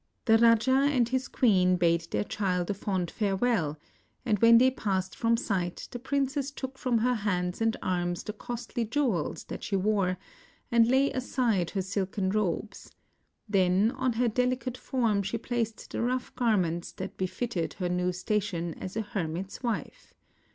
The raja and his queen bade their child a fond fare well, and when they passed from sight the princess took from her hands and arms the costly jewels that she wore and laid aside her silken robes; then on her delicate form she placed the rough garments that befitted her new station as a hermit's wife.